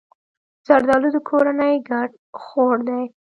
زردالو د کورنۍ ګډ خوړ دی.